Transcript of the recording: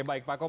baik pak komar